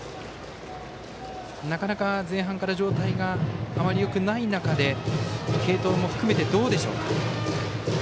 なかなか前半から状態があまりよくない中で継投も含めて、どうでしょうか。